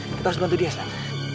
kita harus bantu dia sana